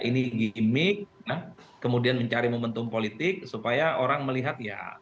ini gimmick kemudian mencari momentum politik supaya orang melihat ya